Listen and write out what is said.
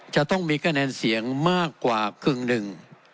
จะต้องมีคะแนนเสียงมากกว่ากึ่งหนึ่ง